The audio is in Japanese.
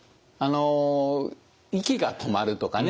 息が止まるとかね